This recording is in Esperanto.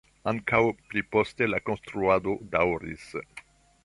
Ankaŭ pli poste la konstruado daŭris.